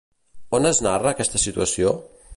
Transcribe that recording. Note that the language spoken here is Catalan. On es narra aquesta situació?